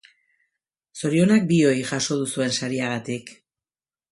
Zorionak bioi jaso duzuen sariagatik.